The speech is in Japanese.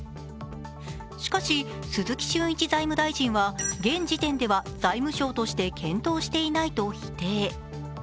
しかし、鈴木俊一財務大臣は現時点では財務省として検討していないと否定。